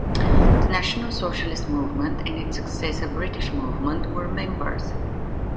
The National Socialist Movement and its successor British Movement were members.